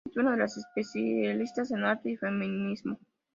Es una de las especialistas en arte y feminismo.